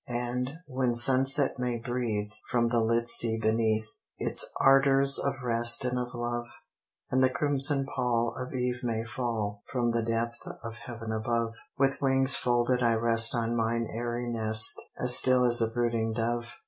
And, when Sunset may breathe, from the lit sea beneath, Its ardors of rest and of love, And the crimson pall of eve may fall From the depth of heaven above, With wings folded I rest on mine airy nest, As still as a brooding dove.